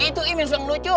itu imin yang lucu